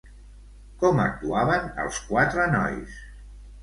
Com actuaven els quatre nois?